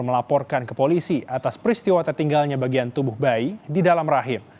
melaporkan ke polisi atas peristiwa tertinggalnya bagian tubuh bayi di dalam rahim